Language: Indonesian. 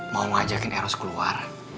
mau ngajakin eros keluar